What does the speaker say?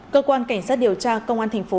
cơ quan cảnh sát điều tra công an tp đồng hới